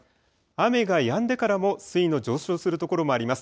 雨がやんでからも水位の上昇するところもあります。